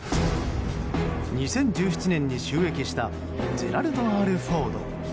２０１７年に就役した「ジェラルド・Ｒ・フォード」。